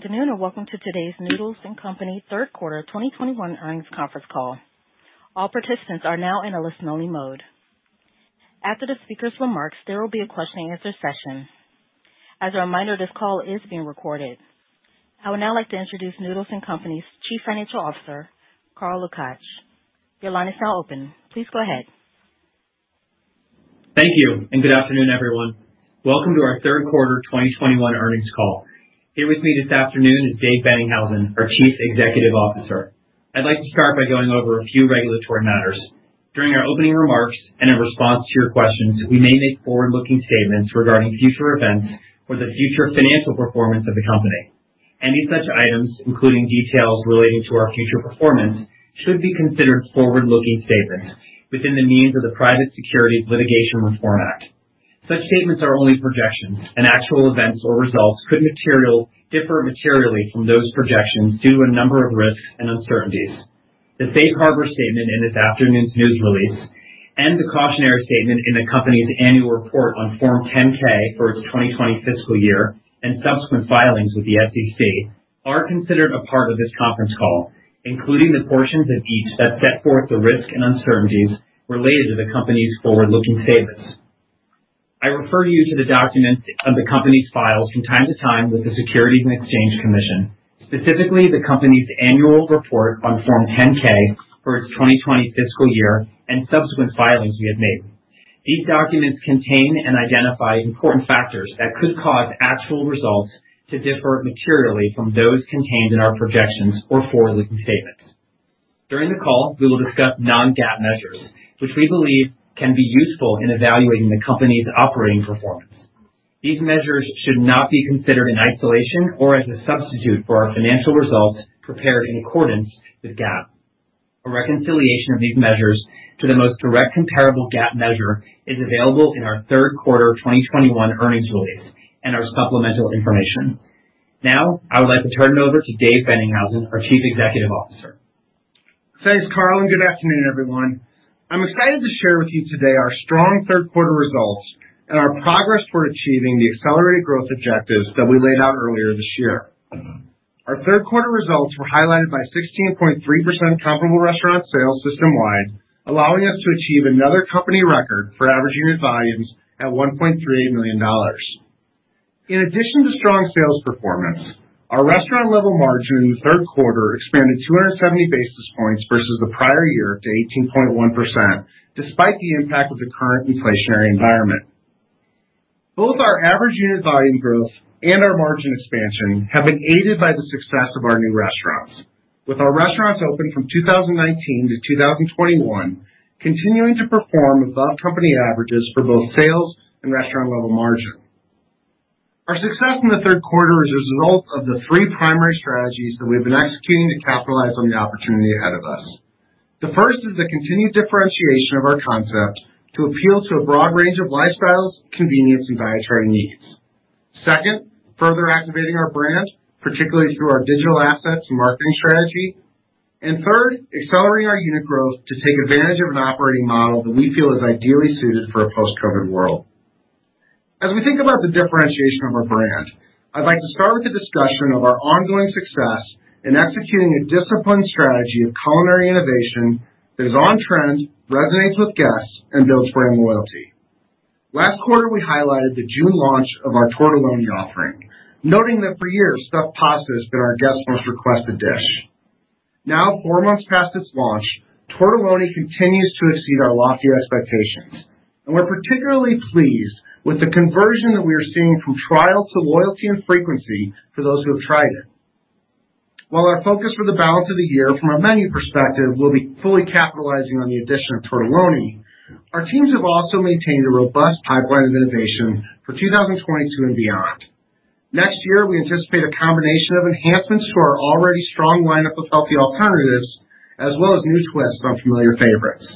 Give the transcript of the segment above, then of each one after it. Good afternoon, and welcome to today's Noodles & Company third quarter 2021 earnings conference call. All participants are now in a listen only mode. After the speaker's remarks, there will be a question and answer session. As a reminder, this call is being recorded. I would now like to introduce Noodles & Company's Chief Financial Officer, Carl Lukach. Your line is now open. Please go ahead. Thank you, and good afternoon, everyone. Welcome to our Q3 2021 earnings call. Here with me this afternoon is Dave Boennighausen, our Chief Executive Officer. I'd like to start by going over a few regulatory matters. During our opening remarks and in response to your questions, we may make forward-looking statements regarding future events or the future financial performance of the company. Any such items, including details relating to our future performance, should be considered forward-looking statements within the meaning of the Private Securities Litigation Reform Act. Such statements are only projections, and actual events or results could materially differ materially from those projections due to a number of risks and uncertainties. The safe harbor statement in this afternoon's news release and the cautionary statement in the company's annual report on Form 10-K for its 2020 fiscal year, and subsequent filings with the SEC are considered a part of this conference call, including the portions of each that set forth the risks and uncertainties related to the company's forward-looking statements. I refer you to the documents of the company's files from time to time with the Securities and Exchange Commission, specifically the company's annual report on Form 10-K, for its 2020 fiscal year and subsequent filings we have made. These documents contain and identify important factors that could cause actual results, to differ materially from those contained in our projections or forward-looking statements. During the call, we will discuss non-GAAP measures which we believe can be useful in evaluating the company's operating performance. These measures should not be considered in isolation or as a substitute for our financial results prepared in accordance with GAAP. A reconciliation of these measures to the most direct comparable GAAP measure is available in our third quarter 2021 earnings release and our supplemental information. Now I would like to turn it over to Dave Boennighausen, our Chief Executive Officer. Thanks, Carl, and good afternoon, everyone. I'm excited to share with you today our strong third quarter results, and our progress toward achieving the accelerated growth objectives that we laid out earlier this year. Our third quarter results were highlighted by 16.3% comparable restaurant sales system-wide, allowing us to achieve another company record for average unit volumes at $1.38 million. In addition to strong sales performance, our restaurant level margin in the third quarter expanded 270 basis points versus the prior year to 18.1%, despite the impact of the current inflationary environment. Both our average unit volume growth and our margin expansion have been aided by the success of our new restaurants. With our restaurants open from 2019 to 2021 continuing to perform above company averages for both sales and restaurant level margin. Our success in the third quarter is a result of the three primary strategies that we've been executing to capitalize on the opportunity ahead of us. The first is the continued differentiation of our concept to appeal to a broad range of lifestyles, convenience, and dietary needs. Second, further activating our brand, particularly through our digital assets and marketing strategy. Third, accelerating our unit growth to take advantage of an operating model that we feel is ideally suited for a post-COVID world. As we think about the differentiation of our brand, I'd like to start with a discussion of our ongoing success in executing a disciplined strategy of culinary innovation that is on trend, resonates with guests, and builds brand loyalty. Last quarter, we highlighted the June launch of our Tortelloni offering, noting that for years, stuffed pasta has been our guests' most requested dish. Now, four months past its launch, Tortelloni continues to exceed our lofty expectations, and we're particularly pleased with the conversion that we are seeing from trial to loyalty and frequency for those who have tried it. While our focus for the balance of the year from a menu perspective will be fully capitalizing on the addition of Tortelloni, our teams have also maintained a robust pipeline of innovation for 2022 and beyond. Next year, we anticipate a combination of enhancements to our already strong lineup of healthy alternatives, as well as new twists on familiar favorites.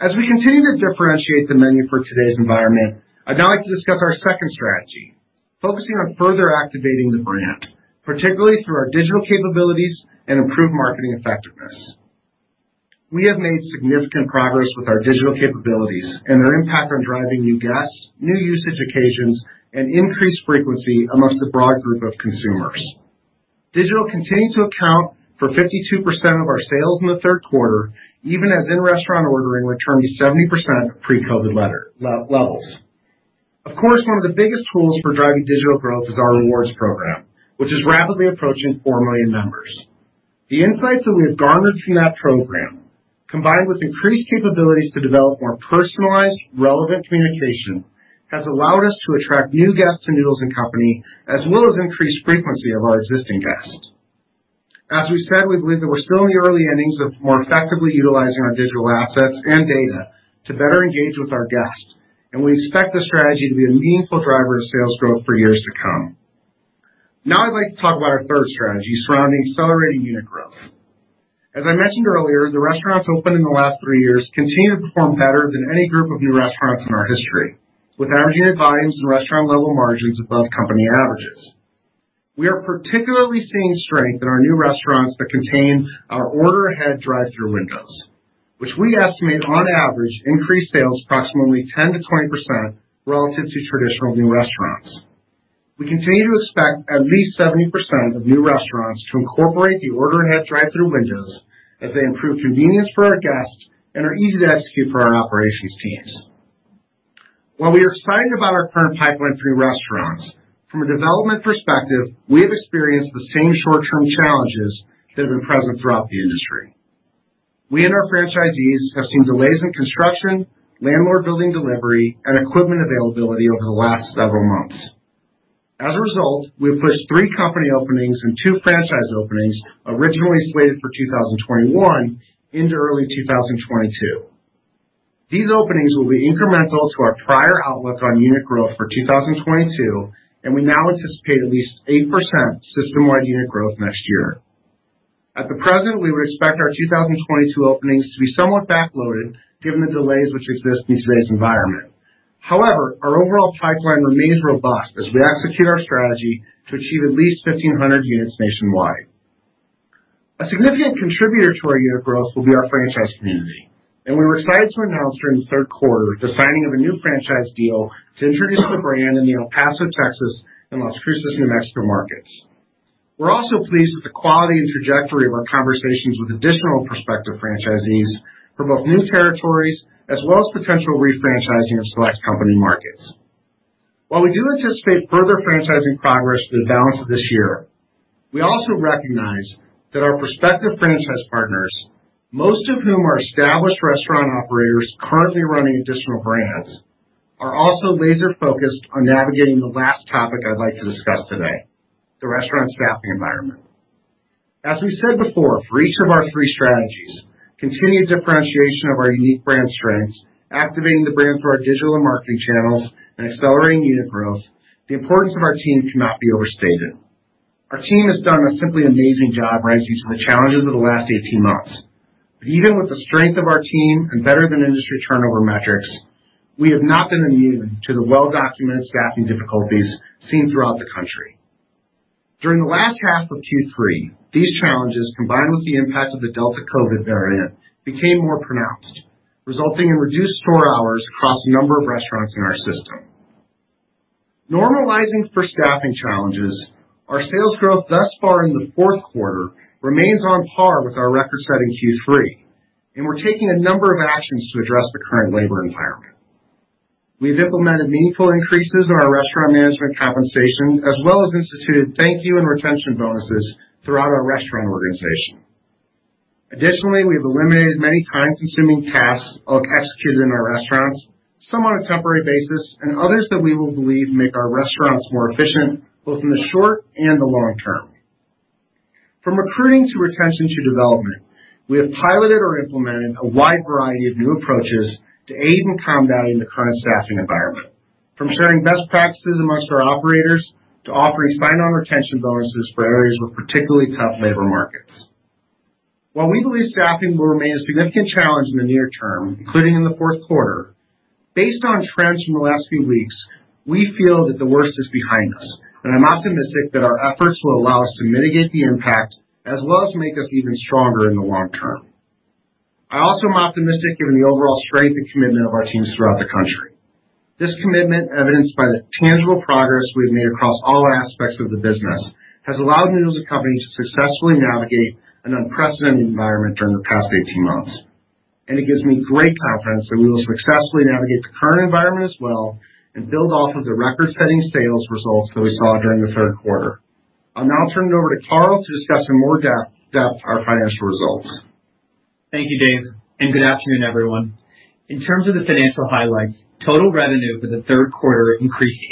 As we continue to differentiate the menu for today's environment, I'd now like to discuss our second strategy, focusing on further activating the brand, particularly through our digital capabilities and improved marketing effectiveness. We have made significant progress with our digital capabilities and their impact on driving new guests, new usage occasions, and increased frequency amongst a broad group of consumers. Digital continues to account for 52% of our sales in the third quarter, even as in-restaurant ordering returned to 70% pre-COVID levels. Of course, one of the biggest tools for driving digital growth is our rewards program, which is rapidly approaching four million members. The insights that we have garnered from that program, combined with increased capabilities to develop more personalized, relevant communication, has allowed us to attract new guests to Noodles & Company, as well as increase frequency of our existing guests. As we said, we believe that we're still in the early innings of more effectively utilizing our digital assets and data, to better engage with our guests, and we expect this strategy to be a meaningful driver of sales growth for years to come. Now I'd like to talk about our third strategy surrounding accelerating unit growth. As I mentioned earlier, the restaurants opened in the last three years continue to perform better than any group of new restaurants in our history, with average unit volumes and restaurant level margins above company averages. We are particularly seeing strength in our new restaurants that contain our order ahead drive-through windows, which we estimate on average increase sales approximately 10%-20% relative to traditional new restaurants. We continue to expect at least 70% of new restaurants to incorporate the order-ahead and have drive-thru windows, as they improve convenience for our guests and are easy to execute for our operations teams. While we are excited about our current pipeline of three restaurants, from a development perspective, we have experienced the same short-term challenges that have been present throughout the industry. We and our franchisees have seen delays in construction, landlord building delivery, and equipment availability over the last several months. As a result, we have pushed three company openings and two franchise openings originally slated for 2021, into early 2022. These openings will be incremental to our prior outlook on unit growth for 2022, and we now anticipate at least 8% system-wide unit growth next year. At the present, we would expect our 2022 openings to be somewhat backloaded given the delays which exist in today's environment. However, our overall pipeline remains robust as we execute our strategy to achieve at least 1,500 units nationwide. A significant contributor to our unit growth will be our franchise community, and we're excited to announce during the third quarter the signing of a new franchise deal to introduce the brand in the El Paso, Texas, and Las Cruces, New Mexico, markets. We're also pleased with the quality and trajectory of our conversations with additional prospective franchisees from both new territories as well as potential re-franchising of select company markets. While we do anticipate further franchising progress for the balance of this year, we also recognize that our prospective franchise partners, most of whom are established restaurant operators currently running additional brands, are also laser focused on navigating the last topic I'd like to discuss today, the restaurant staffing environment. As we said before, for each of our three strategies, continued differentiation of our unique brand strengths, activating the brand through our digital and marketing channels, and accelerating unit growth, the importance of our team cannot be overstated. Our team has done a simply amazing job rising to the challenges of the last eighteen months. Even with the strength of our team and better than industry turnover metrics, we have not been immune to the well-documented staffing difficulties seen throughout the country. During the last half of Q3, these challenges, combined with the impacts of the Delta COVID variant, became more pronounced, resulting in reduced store hours across a number of restaurants in our system. Normalizing for staffing challenges, our sales growth thus far in the fourth quarter remains on par with our record-setting Q3, and we're taking a number of actions to address the current labor environment. We've implemented meaningful increases in our restaurant management compensation as well as instituted thank you and retention bonuses, throughout our restaurant organization. Additionally, we've eliminated many time-consuming tasks of executing our restaurants, some on a temporary basis and others that we believe will make our restaurants more efficient, both in the short and the long term. From recruiting to retention to development, we have piloted or implemented a wide variety of new approaches to aid in combating the current staffing environment, from sharing best practices among our operators to offering sign-on retention bonuses for areas with particularly tough labor markets. While we believe staffing will remain a significant challenge in the near term, including in the fourth quarter, based on trends from the last few weeks, we feel that the worst is behind us, and I'm optimistic that our efforts will allow us to mitigate the impact, as well as make us even stronger in the long term. I also am optimistic given the overall strength and commitment of our teams throughout the country. This commitment, evidenced by the tangible progress we've made across all aspects of the business, has allowed Noodles & Company to successfully navigate an unprecedented environment during the past 18 months. It gives me great confidence that we will successfully navigate the current environment as well, and build off of the record-setting sales results that we saw during the third quarter. I'll now turn it over to Carl to discuss in more depth our financial results. Thank you, Dave, and good afternoon, everyone. In terms of the financial highlights, total revenue for the third quarter increased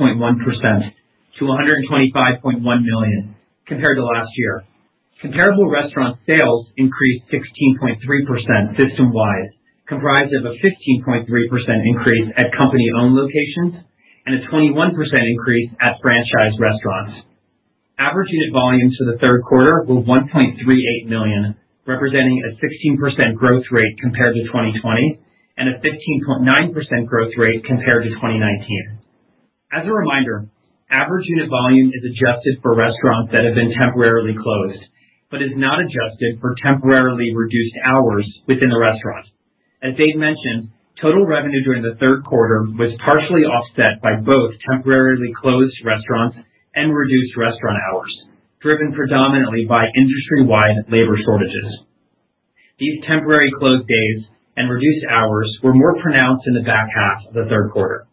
18.1% to $125.1 million compared to last year. Comparable restaurant sales increased 16.3% system-wide, comprised of a 15.3% increase at company-owned locations and a 21% increase at franchise restaurants. Average unit volumes for the third quarter were $1.38 million, representing a 16% growth rate compared to 2020, and a 15.9% growth rate compared to 2019. As a reminder, average unit volume is adjusted for restaurants that have been temporarily closed, but is not adjusted for temporarily reduced hours within a restaurant. As Dave mentioned, total revenue during the third quarter was partially offset by both temporarily closed restaurants, and reduced restaurant hours, driven predominantly by industry-wide labor shortages. These temporary closed days and reduced hours were more pronounced in the back half of the third quarter.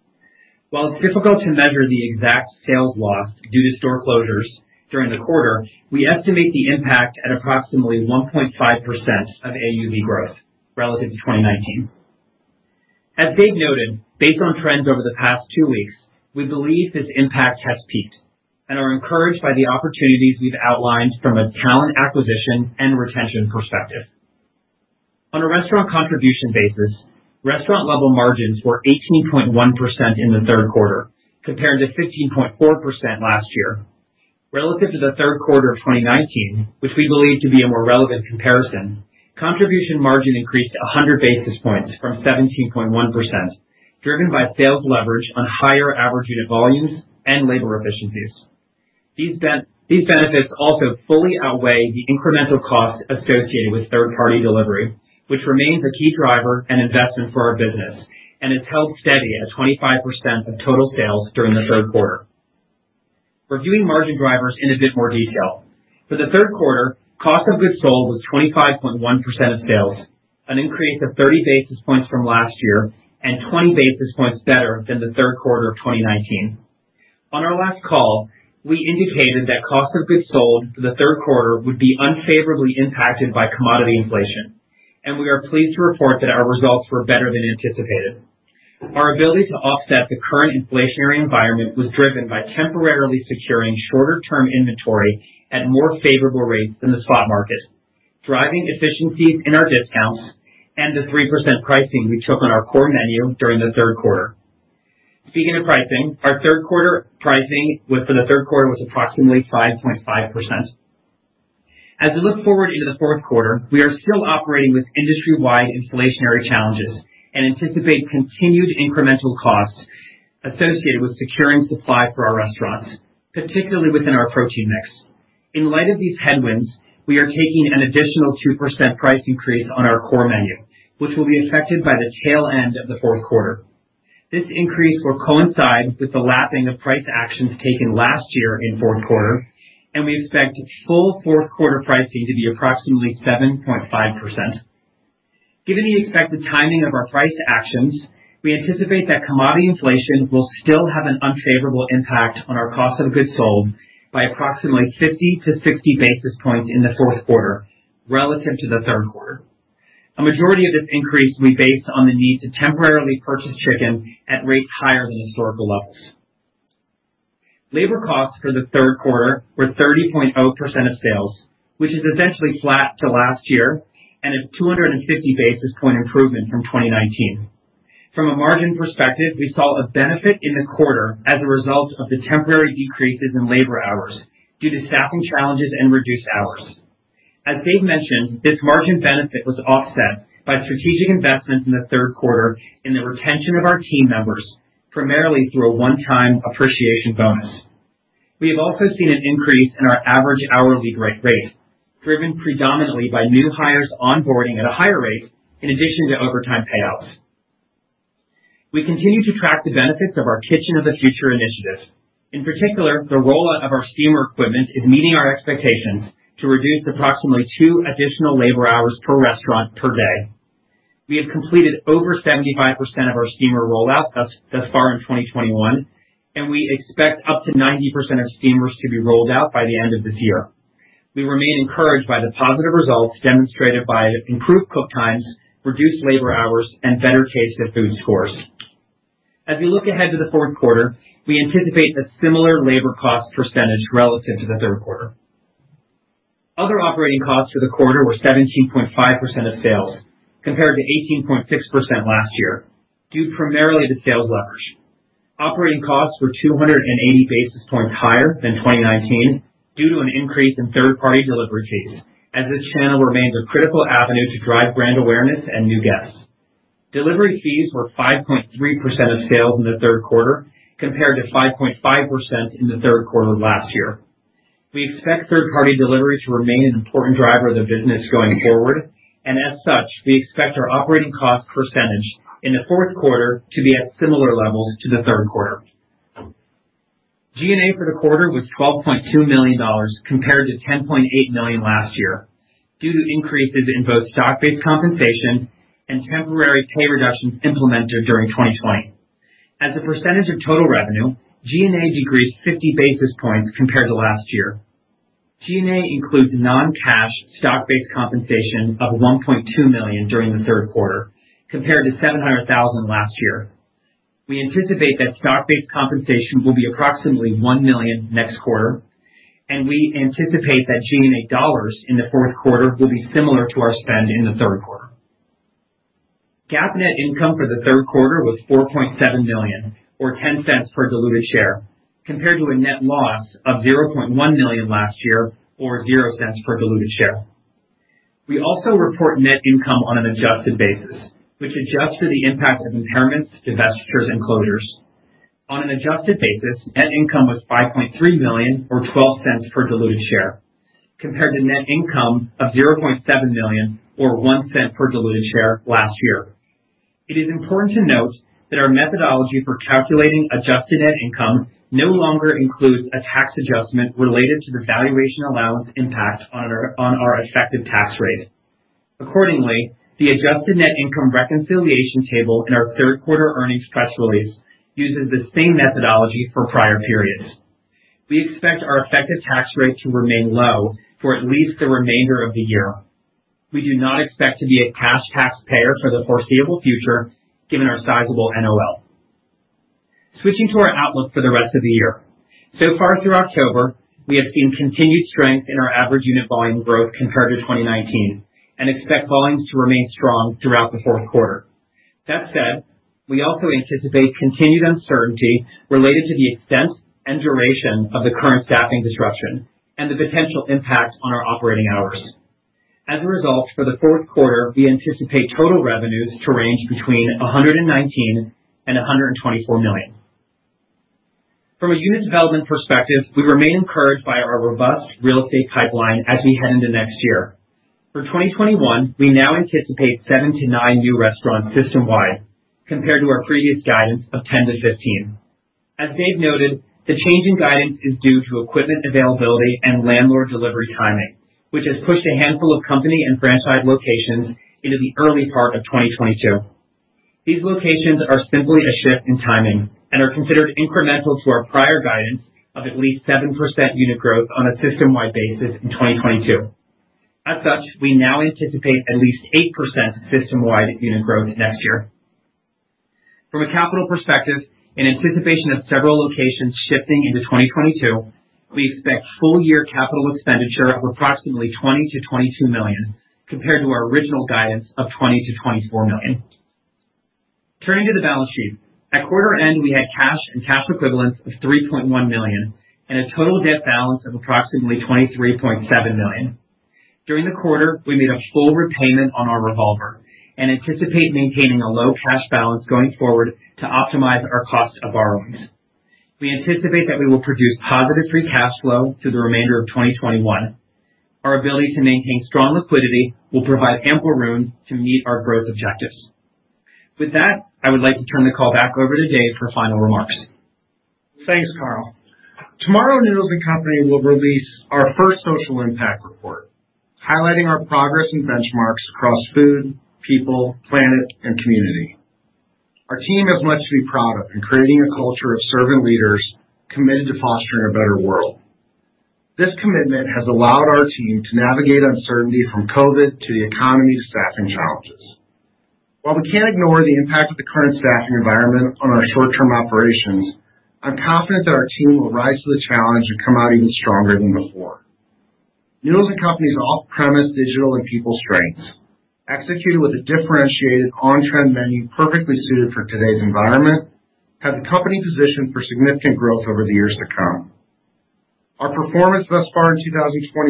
While it's difficult to measure the exact sales loss due to store closures during the quarter, we estimate the impact at approximately 1.5% of AUV growth relative to 2019. As Dave noted, based on trends over the past two weeks, we believe this impact has peaked and are encouraged by the opportunities we've outlined from a talent acquisition and retention perspective. On a restaurant contribution basis, restaurant level margins were 18.1% in the third quarter compared to 15.4% last year. Relative to the third quarter of 2019, which we believe to be a more relevant comparison, contribution margin increased 100 basis points from 17.1%, driven by sales leverage on higher average unit volumes and labor efficiencies. These benefits also fully outweigh the incremental costs associated with third party delivery, which remains a key driver and investment for our business, and has held steady at 25% of total sales during the third quarter. Reviewing margin drivers in a bit more detail. For the third quarter, cost of goods sold was 25.1% of sales, an increase of 30 basis points from last year, and 20 basis points better than the third quarter of 2019. On our last call, we indicated that cost of goods sold for the third quarter would be unfavorably impacted by commodity inflation, and we are pleased to report that our results were better than anticipated. Our ability to offset the current inflationary environment was driven by temporarily securing shorter term inventory at more favorable rates than the spot market, driving efficiencies in our discounts and the 3% pricing we took on our core menu during the third quarter. Speaking of pricing, our third quarter pricing was, for the third quarter, approximately 5.5%. As we look forward into the fourth quarter, we are still operating with industry-wide inflationary challenges, and anticipate continued incremental costs associated with securing supply for our restaurants, particularly within our protein mix. In light of these headwinds, we are taking an additional 2% price increase on our core menu, which will be affected by the tail end of the fourth quarter. This increase will coincide with the lapping of price actions taken last year in fourth quarter, and we expect full fourth quarter pricing to be approximately 7.5%. Given the expected timing of our price actions, we anticipate that commodity inflation will still have an unfavorable impact on our cost of goods sold, by approximately 50-60 basis points in the fourth quarter, relative to the third quarter. A majority of this increase will be based on the need to temporarily purchase chicken at rates higher than historical levels. Labor costs for the third quarter were 30.0% of sales, which is essentially flat to last year, and a 250 basis point improvement from 2019. From a margin perspective, we saw a benefit in the quarter as a result of the temporary decreases in labor hours due to staffing challenges and reduced hours. As Dave mentioned, this margin benefit was offset by strategic investments in the third quarter in the retention of our team members, primarily through a one-time appreciation bonus. We have also seen an increase in our average hourly rate, driven predominantly by new hires onboarding at a higher rate in addition to overtime payouts. We continue to track the benefits of our Kitchen of the Future initiative. In particular, the rollout of our steamer equipment is meeting our expectations to reduce approximately two additional labor hours per restaurant per day. We have completed over 75% of our steamer rollout thus far in 2021, and we expect up to 90% of steamers to be rolled out by the end of this year. We remain encouraged by the positive results demonstrated by improved cook times, reduced labor hours, and better taste of food scores. As we look ahead to the fourth quarter, we anticipate a similar labor cost percentage relative to the third quarter. Other operating costs for the quarter were 17.5% of sales, compared to 18.6% last year, due primarily to sales leverage. Operating costs were 280 basis points higher than 2019, due to an increase in third-party delivery fees, as this channel remains a critical avenue to drive brand awareness and new guests. Delivery fees were 5.3% of sales in the third quarter, compared to 5.5% in the third quarter last year. We expect third-party delivery to remain an important driver of the business going forward, and as such, we expect our operating cost percentage in the fourth quarter to be at similar levels to the third quarter. G&A for the quarter was $12.2 million, compared to $10.8 million last year, due to increases in both stock-based compensation and temporary pay reductions implemented during 2020. As a percentage of total revenue, G&A decreased 50 basis points compared to last year. G&A includes non-cash stock-based compensation of $1.2 million during the third quarter, compared to $700,000 last year. We anticipate that stock-based compensation will be approximately $1 million next quarter, and we anticipate that G&A dollars in the fourth quarter will be similar to our spend in the third quarter. GAAP net income for the third quarter was $4.7 million or 10 cents per diluted share, compared to a net loss of $0.1 million last year or zero cents per diluted share. We also report net income on an adjusted basis, which adjusts for the impact of impairments, divestitures, and closures. On an adjusted basis, net income was $5.3 million or 12 cents per diluted share, compared to net income of $0.7 million or one cent per diluted share last year. It is important to note that our methodology for calculating adjusted net income no longer includes a tax adjustment related to the valuation allowance impact on our effective tax rate. Accordingly, the adjusted net income reconciliation table in our third quarter earnings press release, uses the same methodology for prior periods. We expect our effective tax rate to remain low for at least the remainder of the year. We do not expect to be a cash taxpayer for the foreseeable future given our sizable NOL. Switching to our outlook for the rest of the year. So far through October, we have seen continued strength in our average unit volume growth compared to 2019, and expect volumes to remain strong throughout the fourth quarter. That said, we also anticipate continued uncertainty related to the extent and duration of the current staffing disruption and the potential impact on our operating hours. As a result, for the fourth quarter, we anticipate total revenues to range between $119 million and $124 million. From a unit development perspective, we remain encouraged by our robust real estate pipeline as we head into next year. For 2021, we now anticipate seven to nine new restaurants system-wide, compared to our previous guidance of 10-15. As Dave noted, the change in guidance is due to equipment availability and landlord delivery timing, which has pushed a handful of company and franchise locations into the early part of 2022. These locations are simply a shift in timing and are considered incremental to our prior guidance of at least 7% unit growth on a system-wide basis in 2022. We now anticipate at least 8% system-wide unit growth next year. From a capital perspective, in anticipation of several locations shifting into 2022, we expect full year capital expenditure of approximately $20 million-$22 million, compared to our original guidance of $20 million-$24 million. Turning to the balance sheet. At quarter end, we had cash and cash equivalents of $3.1 million, and a total debt balance of approximately $23.7 million. During the quarter, we made a full repayment on our revolver and anticipate maintaining a low cash balance going forward to optimize our cost of borrowings. We anticipate that we will produce positive free cash flow through the remainder of 2021. Our ability to maintain strong liquidity will provide ample room to meet our growth objectives. With that, I would like to turn the call back over to Dave for final remarks. Thanks, Carl. Tomorrow, Noodles & Company will release our first social impact report, highlighting our progress and benchmarks across food, people, planet, and community. Our team has much to be proud of in creating a culture of servant leaders committed to fostering a better world. This commitment has allowed our team to navigate uncertainty from COVID to the economy staffing challenges. While we can't ignore the impact of the current staffing environment on our short-term operations, I'm confident that our team will rise to the challenge and come out even stronger than before. Noodles & Company's off-premise digital and people strengths, executed with a differentiated on-trend menu perfectly suited for today's environment, have the company positioned for significant growth over the years to come. Our performance thus far in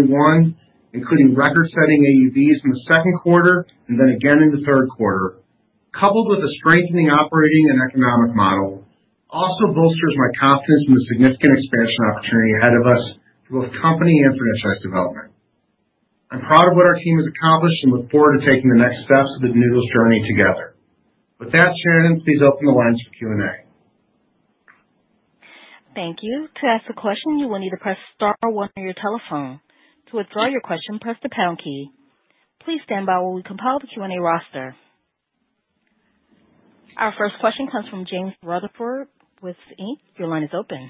2021, including record-setting AUVs in the second quarter and then again in the third quarter, coupled with a strengthening operating and economic model, also bolsters my confidence in the significant expansion opportunity ahead of us through both company and franchise development. I'm proud of what our team has accomplished and look forward to taking the next steps of the Noodles journey together. With that, Shannon, please open the lines for Q&A. Thank you. To ask a question, you will need to press star one on your telephone. To withdraw your question, press the pound key. Please stand by while we compile the Q&A roster. Our first question comes from Jake Bartlett with Jefferies. Your line is open.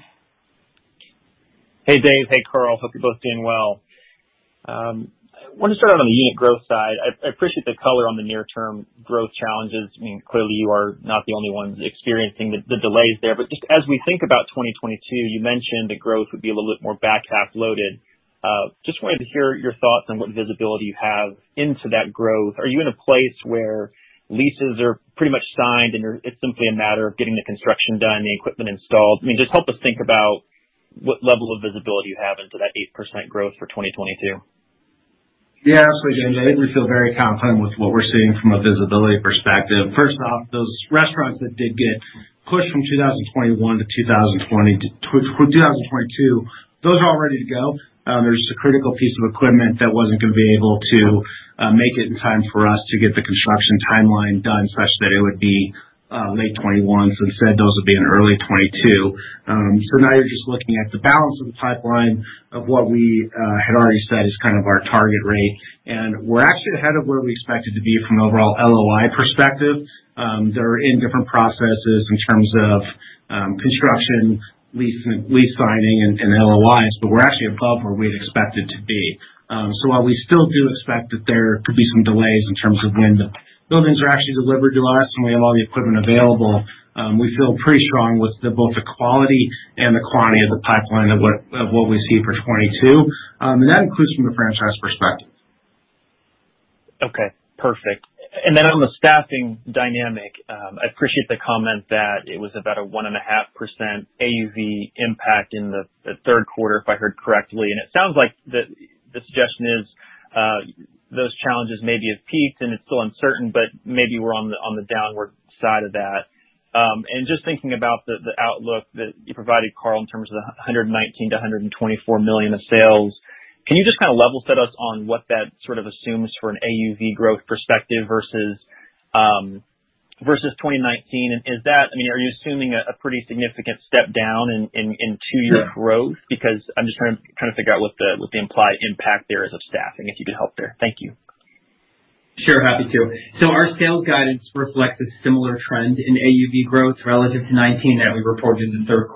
Hey, Dave. Hey, Carl. Hope you're both doing well. I wanted to start out on the unit growth side. I appreciate the color on the near term growth challenges. I mean, clearly you are not the only ones experiencing the delays there. Just as we think about 2022, you mentioned the growth would be a little bit more back half loaded. Just wanted to hear your thoughts on what visibility you have into that growth. Are you in a place where, leases are pretty much signed and it's simply a matter of getting the construction done, the equipment installed? I mean, just help us think about what level of visibility you have into that 8% growth for 2022. Yeah, absolutely, Jake. We feel very confident with what we're seeing from a visibility perspective. First off, those restaurants that did get pushed from 2021 to 2022, those are all ready to go. There's a critical piece of equipment that wasn't gonna be able to make it in time for us to get the construction timeline done such that it would be late 2021. So instead, those will be in early 2022. Now you're just looking at the balance of the pipeline, of what we had already said is kind of our target rate. We're actually ahead of where we expected to be from an overall LOI perspective. They are in different processes in terms of construction, lease signing and LOIs. We're actually above where we'd expect it to be. While we still do expect that there could be some delays in terms of when the buildings are actually delivered to us and we have all the equipment available, we feel pretty strong with both the quality and the quantity of the pipeline of what we see for 2022. That includes from a franchise perspective. Okay, perfect. Then on the staffing dynamic, I appreciate the comment that it was about a 1.5% AUV impact in the third quarter, if I heard correctly. It sounds like the suggestion is, those challenges maybe have peaked and it's still uncertain, but maybe we're on the downward side of that. Just thinking about the outlook that you provided, Carl, in terms of the $119 million-$124 million of sales, can you just kind of level set us on what that sort of assumes for an AUV growth perspective versus 2019? Is that, I mean, are you assuming a pretty significant step down in two-year growth? Yeah. Because I'm just trying to figure out what the implied impact there is of staffing, if you could help there. Thank you. Sure, happy to. Our sales guidance reflects a similar trend in AUV growth relative to 2019 that we reported in the third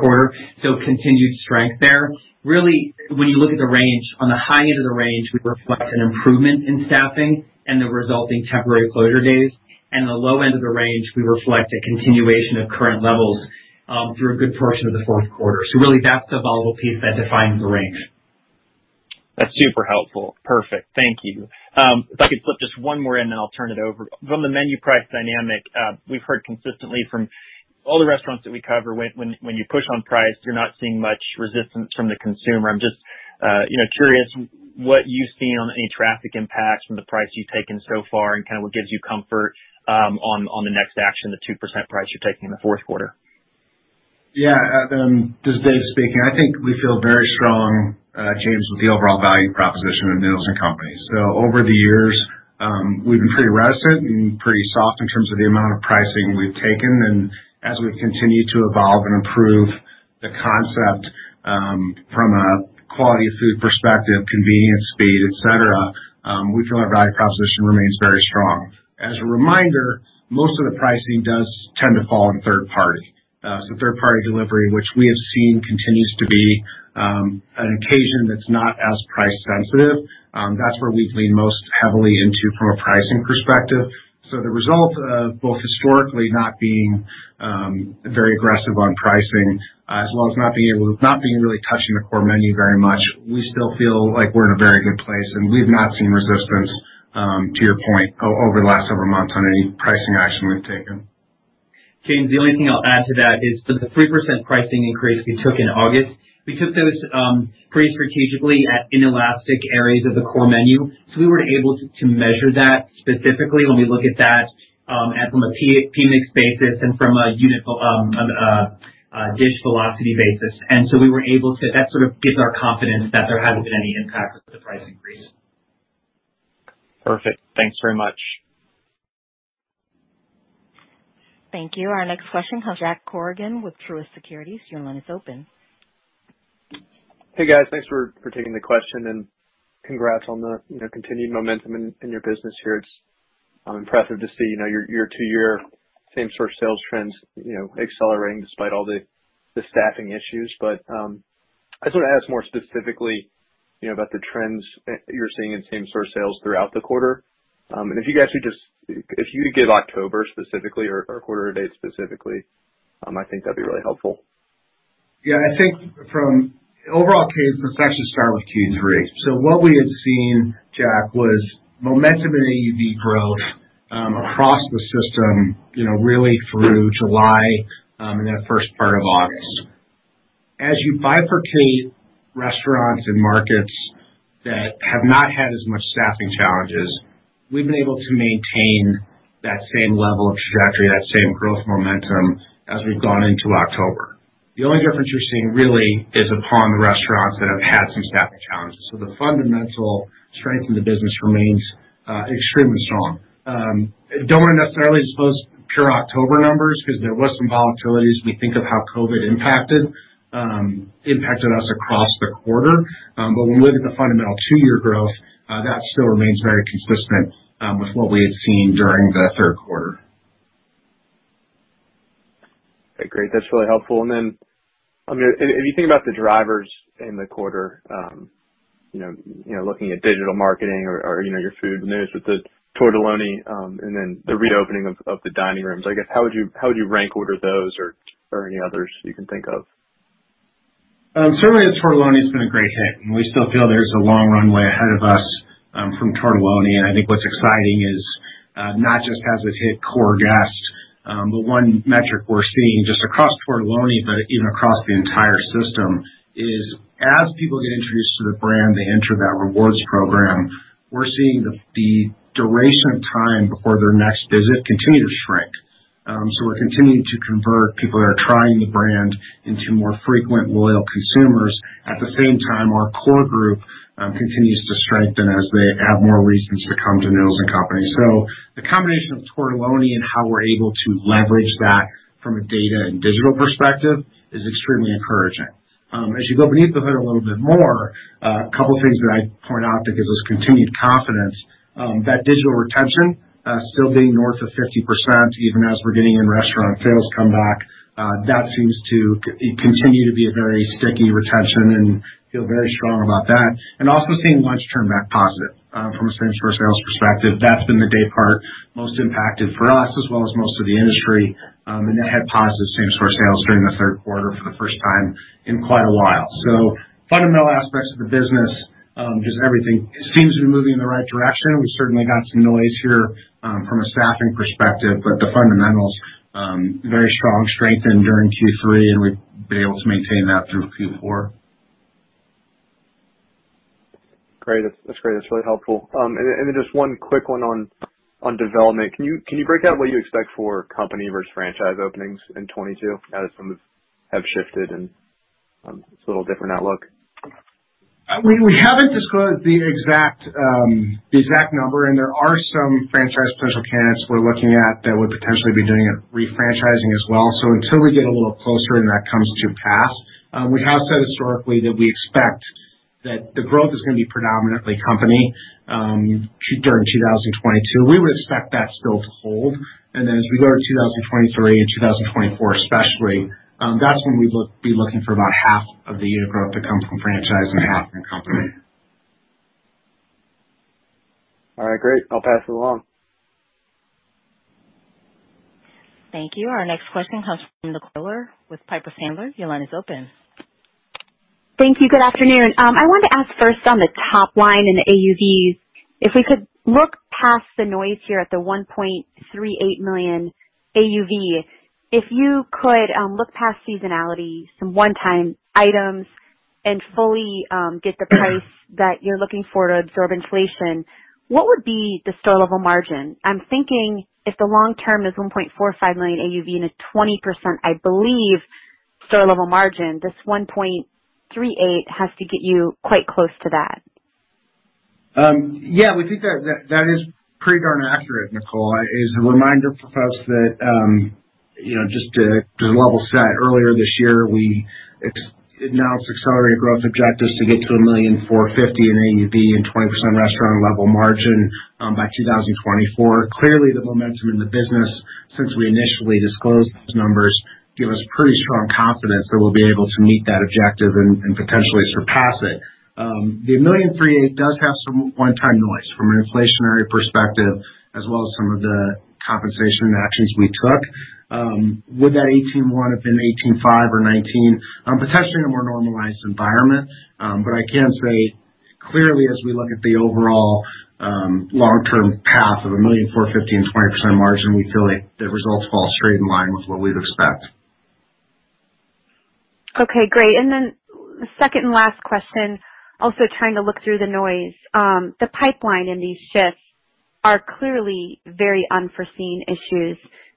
quarter. Continued strength there. Really, when you look at the range, on the high end of the range, we reflect an improvement in staffing and the resulting temporary closure days. The low end of the range, we reflect a continuation of current levels through a good portion of the fourth quarter. Really, that's the volatile piece that defines the range. That's super helpful. Perfect. Thank you. If I could slip just one more in, then I'll turn it over. From the menu price dynamic, we've heard consistently from all the restaurants that we cover when you push on price, you're not seeing much resistance from the consumer. I'm just, you know, curious what you've seen on any traffic impacts from the price you've taken so far and kind of what gives you comfort on the next action, the 2% price you're taking in the fourth quarter. Yeah, this is Dave speaking. I think we feel very strong, James, with the overall value proposition at Noodles & Company. Over the years, we've been pretty reticent and pretty soft in terms of the amount of pricing we've taken. As we've continued to evolve and improve the concept, from a quality of food perspective, convenience, speed, et cetera, we feel our value proposition remains very strong. As a reminder, most of the pricing does tend to fall on third-party delivery, which we have seen continues to be an occasion that's not as price sensitive. That's where we've leaned most heavily into from a pricing perspective. The result of both historically not being very aggressive on pricing as well as not being really touching the core menu very much, we still feel like we're in a very good place, and we've not seen resistance to your point over the last several months on any pricing action we've taken. James, the only thing I'll add to that is the three percent pricing increase we took in August. We took those pretty strategically at inelastic areas of the core menu. We were able to measure that specifically when we look at that from a product mix basis and from a dish velocity basis. That sort of gives our confidence that there hasn't been any impact with the price increase. Perfect. Thanks very much. Thank you. Our next question comes from Jake Bartlett with Truist Securities. Your line is open. Hey, guys. Thanks for taking the question and congrats on the continued momentum in your business here. It's impressive to see your year-to-year same-store sales trends accelerating despite all the staffing issues. I just wanna ask more specifically about the trends that you're seeing in same-store sales throughout the quarter. If you could give October specifically or quarter to date specifically, I think that'd be really helpful. Yeah. I think from overall Q3. Let's actually start with Q3. What we have seen, Jack, was momentum in AUV growth across the system, you know, really through July and that first part of August. As you bifurcate restaurants and markets, that have not had as much staffing challenges, we've been able to maintain that same level of trajectory, that same growth momentum as we've gone into October. The only difference you're seeing really is upon the restaurants that have had some staffing challenges. The fundamental strength in the business remains extremely strong. Don't wanna necessarily disclose pure October numbers because there was some volatility as we think of how COVID impacted us across the quarter. When looking at the fundamental two-year growth, that still remains very consistent with what we had seen during the third quarter. Okay. Great. That's really helpful. Then, I mean, if you think about the drivers in the quarter, you know, looking at digital marketing or you know, your food news with the Tortelloni, and then the reopening of the dining rooms, I guess how would you rank order those or any others you can think of? Certainly the Tortelloni has been a great hit, and we still feel there's a long runway ahead of us from Tortelloni. I think what's exciting is not just has it hit core guests, but one metric we're seeing just across Tortelloni, but even across the entire system, is as people get introduced to the brand, they enter that rewards program, we're seeing the duration of time before their next visit continue to shrink. We're continuing to convert people that are trying the brand into more frequent loyal consumers. At the same time, our core group continues to strengthen as they have more reasons to come to Noodles & Company. The combination of Tortelloni and how we're able to leverage that from a data and digital perspective is extremely encouraging. As you go beneath the hood a little bit more, a couple things that I'd point out that gives us continued confidence that digital retention still being north of 50%, even as we're getting in-restaurant sales come back, that seems to continue to be a very sticky retention and feel very strong about that. Also seeing lunch turn back positive from a same-store sales perspective. That's been the day part most impacted for us as well as most of the industry. That had positive same-store sales during the third quarter for the first time in quite a while. Fundamental aspects of the business, just everything seems to be moving in the right direction. We certainly got some noise here, from a staffing perspective, but the fundamentals very strong, strengthened during Q3, and we've been able to maintain that through Q4. Great. That's great. That's really helpful. Just one quick one on development. Can you break out what you expect for company versus franchise openings in 2022 as some have shifted and it's a little different outlook? We haven't disclosed the exact number, and there are some franchise potential candidates we're looking at that would potentially be doing a refranchising as well. Until we get a little closer and that comes to pass, we have said historically that we expect, that the growth is gonna be predominantly company during 2022. We would expect that still to hold. Then as we go to 2023 and 2024 especially, that's when we be looking for about half of the unit growth to come from franchise and half from company. All right. Great. I'll pass it along. Thank you. Our next question comes from Nicole Miller Regan with Piper Sandler. Your line is open. Thank you. Good afternoon. I wanted to ask first on the top line in the AUVs, if we could look past the noise here at the $1.38 million AUV. If you could, look past seasonality, some one-time items and fully, get the price that you're looking for to absorb inflation, what would be the store-level margin? I'm thinking if the long-term is $1.45 million AUV and a 20%, I believe, store-level margin, this $1.38 has to get you quite close to that. Yeah, we think that is pretty darn accurate, Nicole. As a reminder for folks that, you know, just to level set earlier this year, we announced accelerated growth objectives to get to $1.45 million in AUV and 20% restaurant level margin, by 2024. Clearly, the momentum in the business since we initially disclosed those numbers give us pretty strong confidence that we'll be able to meet that objective and potentially surpass it. The $1.38 million does have some one-time noise from an inflationary perspective, as well as some of the compensation actions we took. Would that 18.1% have been 18.5% or 19%? Potentially in a more normalized environment. I can say clearly as we look at the overall, long-term path of $1.45 million and 20% margin, we feel like the results fall straight in line with what we'd expect. Okay, great. Second and last question, also trying to look through the noise. The pipeline in these shifts are clearly very unforeseen issues.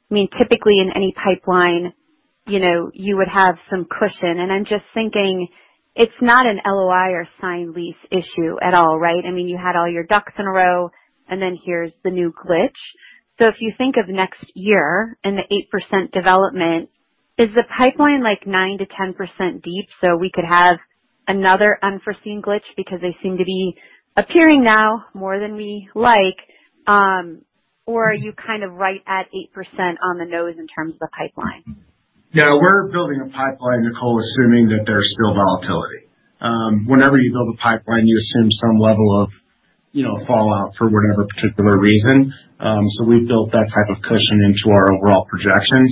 I mean, typically in any pipeline, you know, you would have some cushion. I'm just thinking it's not an LOI or signed lease issue at all, right? I mean, you had all your ducks in a row and then here's the new glitch. If you think of next year and the 8% development, is the pipeline like 9%-10% deep so we could have another unforeseen glitch because they seem to be appearing now more than we like, or are you kind of right at 8% on the nose in terms of the pipeline? Yeah, we're building a pipeline, Nicole, assuming that there's still volatility. Whenever you build a pipeline, you assume some level of, you know, fallout for whatever particular reason. We've built that type of cushion into our overall projections.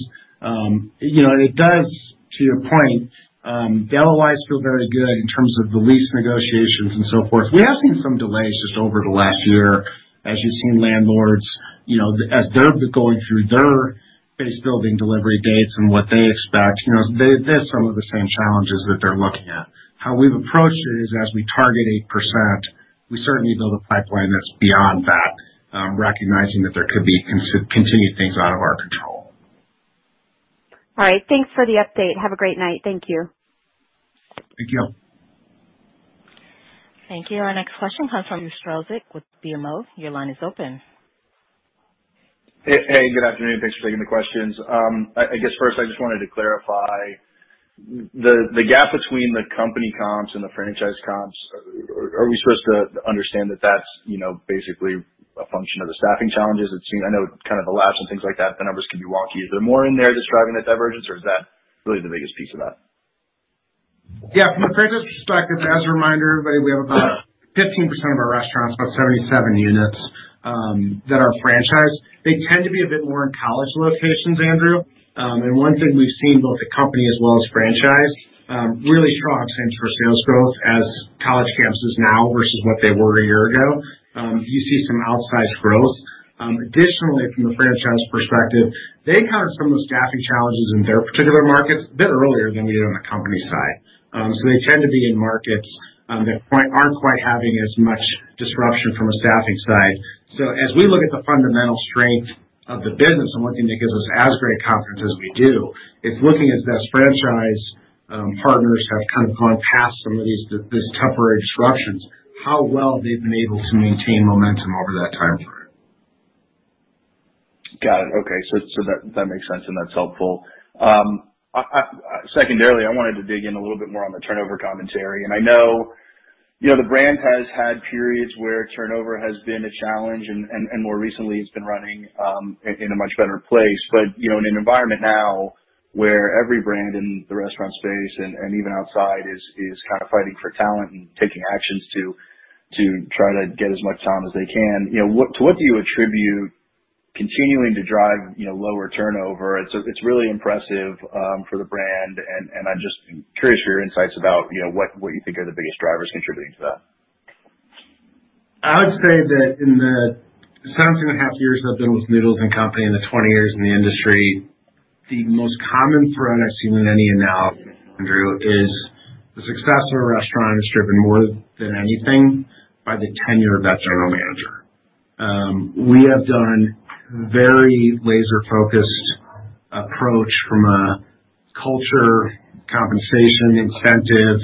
You know, and it does to your point, LOIs feel very good in terms of the lease negotiations and so forth. We have seen some delays just over the last year as you've seen landlords, you know, as they're going through their base building delivery dates and what they expect. You know, they have some of the same challenges that they're looking at. How we've approached it is as we target 8%, we certainly build a pipeline that's beyond that, recognizing that there could be continued things out of our control. All right. Thanks for the update. Have a great night. Thank you. Thank you. Thank you. Our next question comes from Andrew Strelzik with BMO. Your line is open. Hey. Hey, good afternoon. Thanks for taking the questions. I guess first I just wanted to clarify the gap between the company comps and the franchise comps. Are we supposed to understand that that's, you know, basically a function of the staffing challenges it's seen? I know kind of the lapse and things like that, the numbers can be wonky. Is there more in there describing that divergence or is that really the biggest piece of that? Yeah, from a franchise perspective, as a reminder, everybody, we have about 15% of our restaurants, about 77 units, that are franchised. They tend to be a bit more in college locations, Andrew. One thing we've seen both the company as well as franchise, really strong sense for sales growth as college campuses now versus what they were a year ago. You see some outsized growth. Additionally, from the franchise perspective, they encountered some of the staffing challenges in their particular markets a bit earlier than we did on the company side. They tend to be in markets that aren't quite having as much disruption from a staffing side. As we look at the fundamental strength of the business, what gives us the great confidence that we do, is how our best franchise partners have kind of gone past some of these temporary disruptions, how well they've been able to maintain momentum over that time frame. Got it. Okay. That makes sense and that's helpful. Secondarily, I wanted to dig in a little bit more on the turnover commentary. I know, you know, the brand has had periods where turnover has been a challenge and more recently it's been running in a much better place. You know, in an environment now, where every brand in the restaurant space and even outside is kind of fighting for talent and taking actions to try to get as much talent as they can, you know, to what do you attribute continuing to drive, you know, lower turnover? It's really impressive for the brand, and I'm just curious for your insights about, you know, what you think are the biggest drivers contributing to that. I would say that in the 17.5 years I've been with Noodles & Company, in the 20 years in the industry, the most common thread I've seen in any amount, Andrew, is the success of a restaurant is driven more than anything by the tenure of that general manager. We have done very laser focused approach from a culture, compensation, incentive,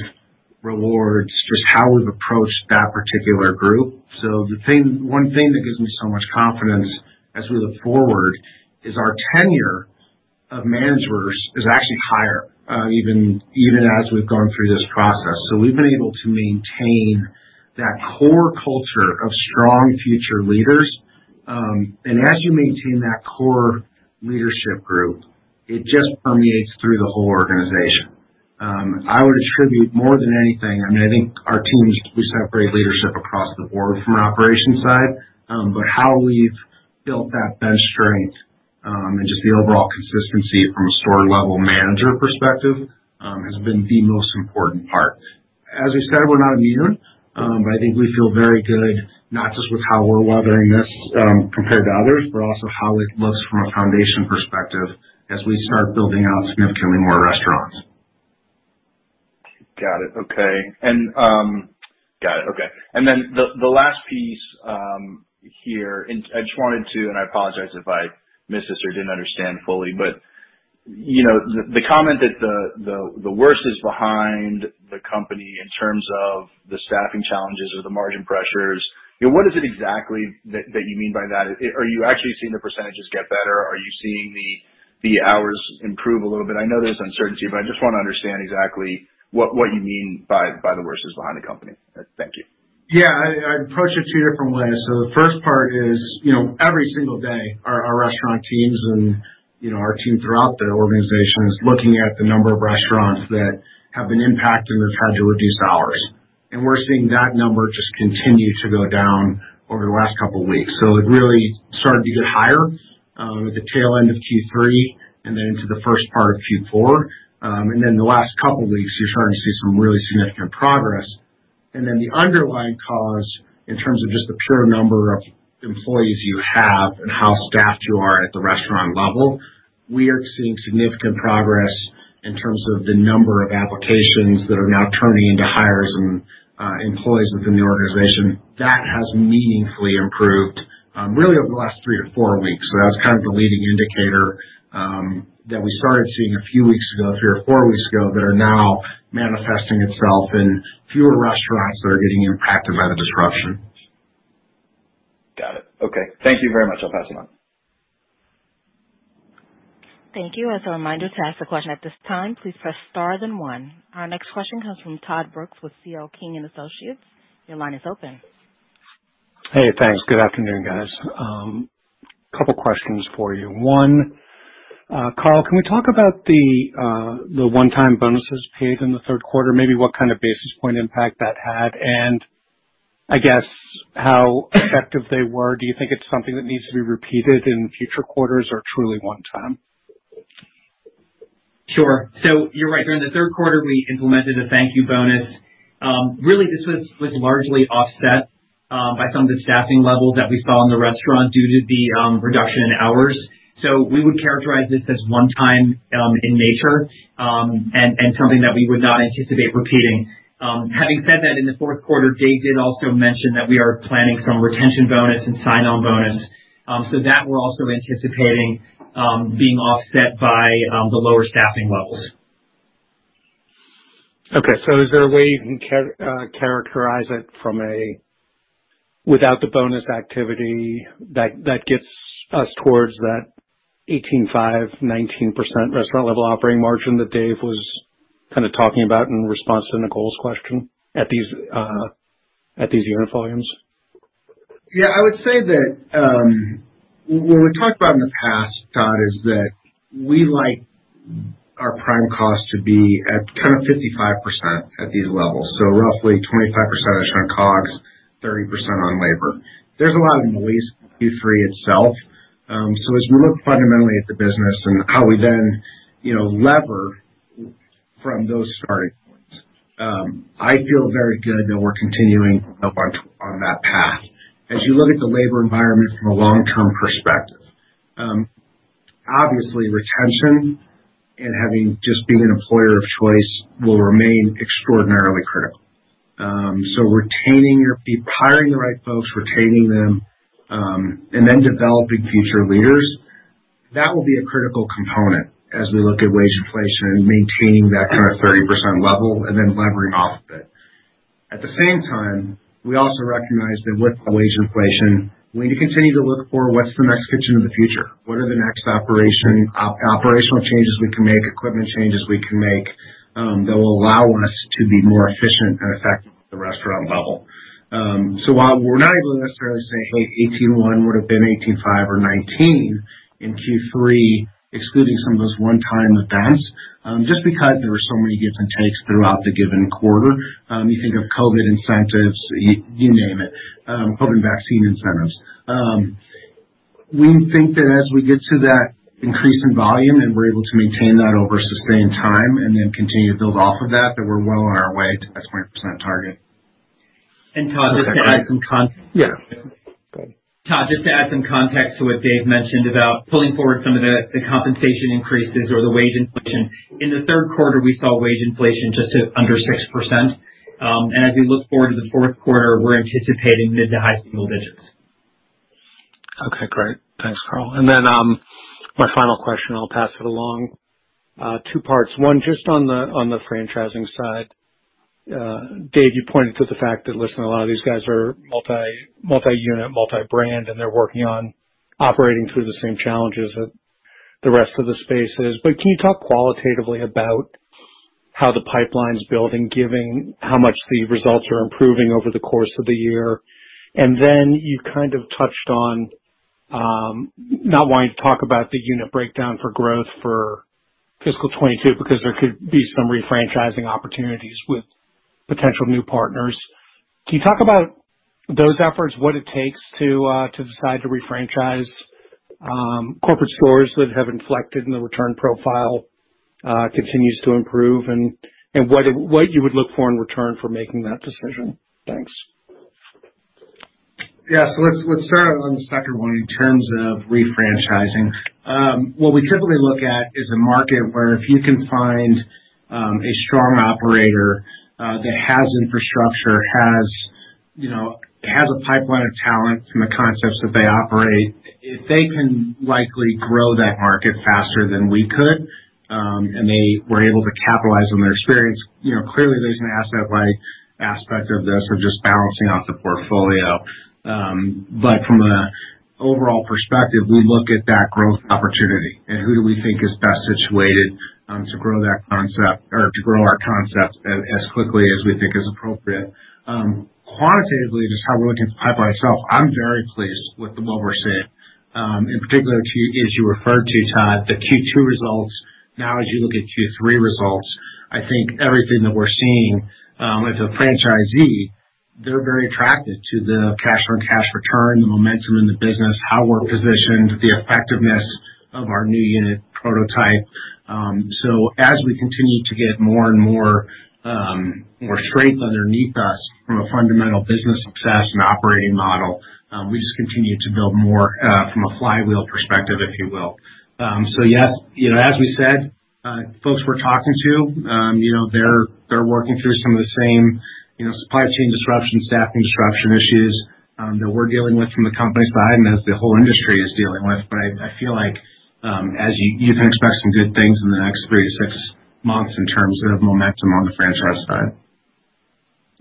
rewards, just how we've approached that particular group. One thing that gives me so much confidence as we look forward is our tenure of managers is actually higher, even as we've gone through this process. We've been able to maintain that core culture of strong future leaders. As you maintain that core leadership group, it just permeates through the whole organization. I would attribute more than anything, I mean, I think our teams, we just have great leadership across the board from an operations side, but how we've built that best strength and just the overall consistency from a store level manager perspective, has been the most important part. As we said, we're not immune. I think we feel very good not just with how we're weathering this compared to others, but also how it looks from a foundation perspective as we start building out significantly more restaurants. Got it. Okay. The last piece here, I apologize if I missed this or didn't understand fully, but you know, the comment that the worst is behind the company in terms of the staffing challenges or the margin pressures, you know, what is it exactly that you mean by that? Are you actually seeing the percentages get better? Are you seeing the hours improve a little bit? I know there's uncertainty, but I just wanna understand exactly what you mean by the worst is behind the company. Thank you. Yeah. I approach it two different ways. The first part is, you know, every single day our restaurant teams and, you know, our team throughout the organization is looking at the number of restaurants that have been impacted and have had to reduce hours. We're seeing that number just continue to go down over the last couple weeks. It really started to get higher, at the tail end of Q3 and then into the first part of Q4. Then the last couple weeks you're starting to see some really significant progress. Then the underlying cause in terms of just the pure number of employees you have and how staffed you are at the restaurant level, we are seeing significant progress in terms of the number of applications that are now turning into hires and employees within the organization. That has meaningfully improved, really over the last three to four weeks. That was kind of the leading indicator, that we started seeing a few weeks ago, three or four weeks ago, that are now manifesting itself in fewer restaurants that are getting impacted by the disruption. Got it. Okay. Thank you very much. I'll pass it on. Thank you. As a reminder, to ask a question at this time, please press star then one. Our next question comes from Todd Brooks with C.L. King & Associates. Your line is open. Hey, thanks. Good afternoon, guys. Couple questions for you. One, Carl, can we talk about the one-time bonuses paid in the third quarter, maybe what kind of basis point impact that had and, I guess how effective they were? Do you think it's something that needs to be repeated in future quarters or truly one time? Sure. You're right. During the third quarter, we implemented a thank you bonus. Really this was largely offset by some of the staffing levels that we saw in the restaurant due to the reduction in hours. We would characterize this as one time in nature, and something that we would not anticipate repeating. Having said that, in the fourth quarter, Dave did also mention that we are planning some retention bonus and sign-on bonus. That we're also anticipating being offset by the lower staffing levels. Is there a way you can characterize it without the bonus activity that gets us towards that 18.5%-19% restaurant level operating margin that Dave was kind of talking about in response to Nicole's question at these unit volumes? Yeah, I would say that, what we've talked about in the past, Todd, is that we like our prime cost to be at kind of 55% at these levels, so roughly 25% on COGS, 30% on labor. There's a lot of noise in Q3 itself. So as we look fundamentally at the business and how we then, you know, lever from those starting points, I feel very good that we're continuing on that path. As you look at the labor environment from a long-term perspective, obviously retention and having just being an employer of choice will remain extraordinarily critical. So hiring the right folks, retaining them, and then developing future leaders, that will be a critical component as we look at wage inflation and maintaining that kind of 30% level and then levering off of it. At the same time, we also recognize that with wage inflation, we need to continue to look for what's the next Kitchen of the Future. What are the next operational changes we can make, equipment changes we can make, that will allow us to be more efficient and effective at the restaurant level. While we're not able to necessarily say, "Hey, 18.1 would have been 18.5 or 19 in Q3," excluding some of those one-time events, just because there were so many gives and takes throughout the given quarter, you think of COVID incentives, you name it, COVID vaccine incentives. We think that as we get to that increase in volume and we're able to maintain that over sustained time and then continue to build off of that we're well on our way to that 20% target. Todd, just to add some con- Yeah. Todd, just to add some context to what Dave mentioned about pulling forward some of the compensation increases or the wage inflation. In the third quarter, we saw wage inflation just under 6%. As we look forward to the fourth quarter, we're anticipating mid- to high-single digits. Okay. Great. Thanks, Carl. My final question, I'll pass it along. Two parts. One, just on the franchising side. Dave, you pointed to the fact that, listen, a lot of these guys are multi-unit, multi-brand, and they're working on operating through the same challenges that the rest of the space is. Can you talk qualitatively about how the pipeline's building, given how much the results are improving over the course of the year? Then you kind of touched on not wanting to talk about the unit breakdown for growth for fiscal 2022, because there could be some refranchising opportunities with potential new partners. Can you talk about those efforts, what it takes to decide to refranchise corporate stores that have inflected in the return profile, continues to improve and what you would look for in return for making that decision? Thanks. Yeah. Let's start on the second one in terms of refranchising. What we typically look at is a market where if you can find, a strong operator that has infrastructure, you know, has a pipeline of talent from the concepts that they operate, if they can likely grow that market faster than we could, and they were able to capitalize on their experience. You know, clearly there's an asset light aspect of this or just balancing out the portfolio. But from an overall perspective, we look at that growth opportunity and who do we think is best situated to grow that concept or to grow our concepts as quickly as we think is appropriate. Quantitatively, just how we're looking at the pipeline itself, I'm very pleased with what we're seeing. As you referred to, Todd, the Q2 results. Now, as you look at Q3 results, I think everything that we're seeing as a franchisee, they're very attracted to the cash-on-cash return, the momentum in the business, how we're positioned, the effectiveness of our new unit prototype. So as we continue to get more and more, more strength underneath us from a fundamental business success and operating model, we just continue to build more from a flywheel perspective, if you will. So yes, you know, as we said, folks we're talking to, you know, they're working through some of the same, you know, supply chain disruption, staffing disruption issues that we're dealing with from the company side and as the whole industry is dealing with. I feel like as you can expect some good things in the next three-six months in terms of momentum on the franchise side.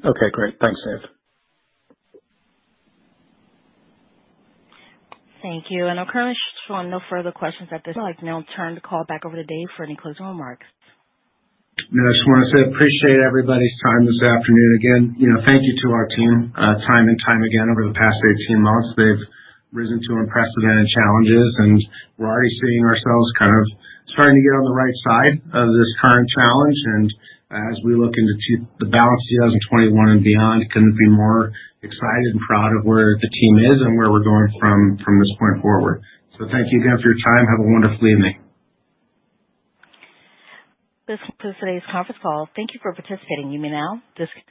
Okay, great. Thanks, Dave. Thank you. I'm currently showing no further questions at this time. I now turn the call back over to Dave for any closing remarks. Yeah, I just wanna say I appreciate everybody's time this afternoon. Again, you know, thank you to our team. Time and time again over the past 18 months, they've risen to unprecedented challenges, and we're already seeing ourselves kind of starting to get on the right side of this current challenge. As we look into the balance of 2021 and beyond, couldn't be more excited and proud of where the team is and where we're going from this point forward. Thank you again for your time. Have a wonderful evening. This concludes today's conference call. Thank you for participating. You may now dis-